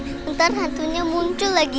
mulan berhati ntar hantunya muncul lagi